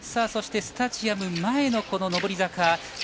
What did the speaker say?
そしてスタジアム前の上り坂。